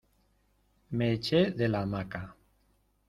me eché de la hamaca.